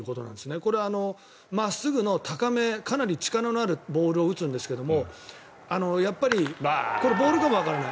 これは真っすぐの高めかなり力のあるボールを打つんですがやっぱりこれボールかもわからない。